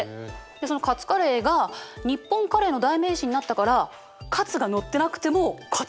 そのカツカレーが日本カレーの代名詞になったからカツが載ってなくてもカツカレーっていうんだって。